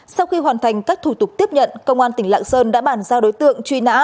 sau khi hoàn thành các thủ tục tiếp nhận công an tỉnh lạng sơn đã bàn giao đối tượng truy nã